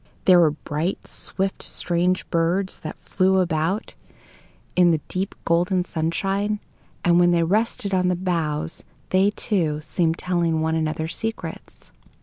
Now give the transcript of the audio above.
There were bright, swift, strange birds, that flew about in the deep golden sunshine, and when they rested on the boughs, they, too, seemed telling one another secrets.